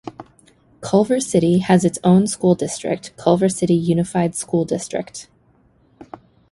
Culver City has its own school district, Culver City Unified School District.